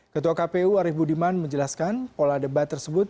ketua kpu arief budiman menjelaskan pola debat tersebut